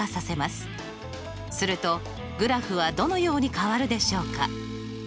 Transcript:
するとグラフはどのように変わるでしょうか。